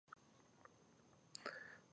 د ریډشفټ سرعت او فاصله ښيي.